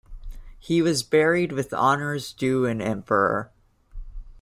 He was buried with honors due an emperor.